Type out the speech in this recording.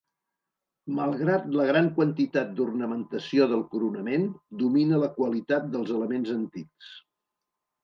Malgrat la gran quantitat d'ornamentació del coronament, domina la qualitat dels elements antics.